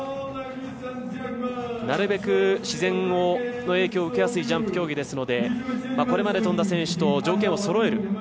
自然の影響を受けやすい状況のジャンプ競技ですのでこれまでとんだ選手と条件をそろえる。